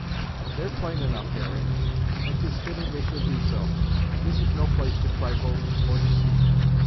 "They're plain enough, Harry, and 'tis fitting they should be so. This is no place to trifle or deceive in.